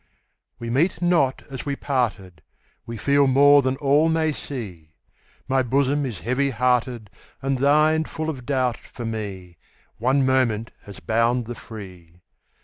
We meet not as we parted, We feel more than all may see; My bosom is heavy hearted, And thine full of doubt for me: One moment has bound the free.